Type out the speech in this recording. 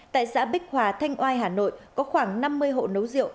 tại xã bích hòa thanh oai hà nội có khoảng năm mươi hộ nấu rượu